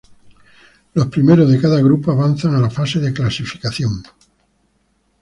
Los primeros de cada grupo avanzan a la fase de clasificación.